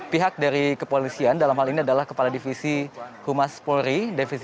pihak dari kepolisian dalam hal ini adalah kepala divisi humas polri